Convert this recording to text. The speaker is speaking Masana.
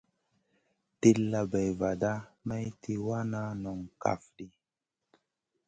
Tilla bay vada may tì wana nong kaf ɗi.